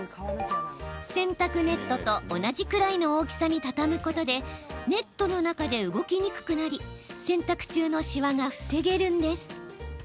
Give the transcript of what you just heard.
洗濯ネットと同じくらいの大きさに畳むことでネットの中で動きにくくなり洗濯中のシワが防げるんです。